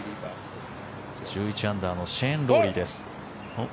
１１アンダーのシェーン・ロウリーです。